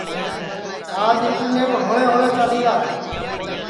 آج انٹرنیٹ ہوݪے ہوݪے چالیرا ہے